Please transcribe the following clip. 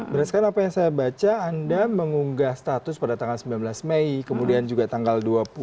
berdasarkan apa yang saya baca anda mengunggah status pada tanggal sembilan belas mei kemudian juga tanggal dua puluh